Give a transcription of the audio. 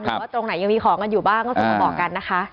ว่าตรงไหนยังมีของกันอยู่บ้างก็ส่งมาบอกกันนะคะ